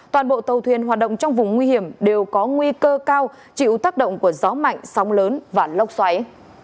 toàn bộ tàu thuyền hoạt động trong vùng nguy hiểm đều có nguy cơ cao chịu tác động của gió mạnh sóng lớn và lốc xoáy